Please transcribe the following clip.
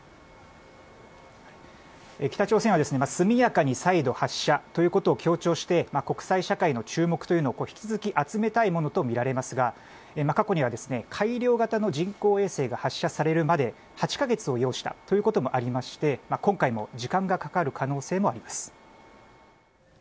北朝鮮は速やかに再度、発射ということを強調して国際社会の注目を、引き続き集めたいものとみられますが過去には、改良型の人工衛星が発射されるまで８カ月を要したということもありまして今回も時間がかかる可能性もあります。